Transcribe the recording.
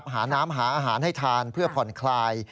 หาน้ำหาอาหารให้ทานเพื่อผ่อนคลาย